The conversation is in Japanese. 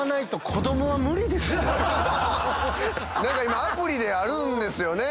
今アプリであるんですよね